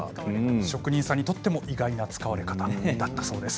職人さんにとっても意外な使われ方だそうです。